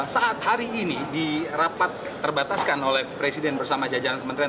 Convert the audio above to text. saat hari ini dirapat terbataskan oleh presiden bersama jajaran kementerian